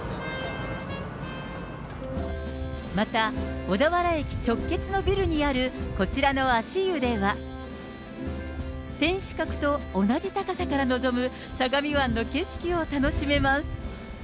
また、小田原駅直結のビルにあるこちらの足湯では、天守閣と同じ高さから望む相模湾の景色を楽しめます。